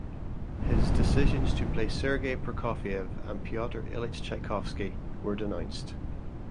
His decisions to play Sergei Prokofiev and Pyotr Ilyich Tchaikovsky were denounced.